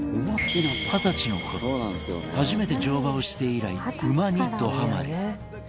二十歳のころ初めて乗馬をして以来馬にドハマリ。